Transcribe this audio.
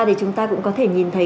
thì chúng ta cũng có thể nhìn thấy